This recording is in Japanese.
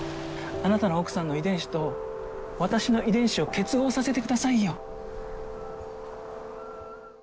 あなたの奥さんの遺伝子と私の遺伝子を結合させてくださいよ。